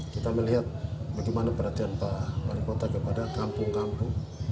kita melihat bagaimana perhatian pak wali kota kepada kampung kampung